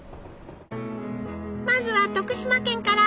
まずは徳島県から！